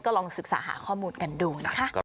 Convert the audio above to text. ลองศึกษาหาข้อมูลกันดูนะคะ